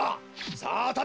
さあたて！